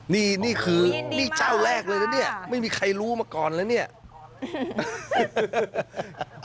นี่เจ้าแรกเลยนะนี่ไม่มีใครรู้มาก่อนแล้ว